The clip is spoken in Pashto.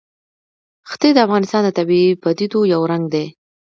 ښتې د افغانستان د طبیعي پدیدو یو رنګ دی.